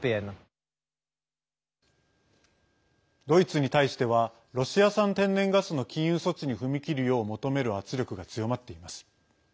ドイツに対してはロシア産天然ガスの禁輸措置に踏み切るよう求める圧力が強まっています。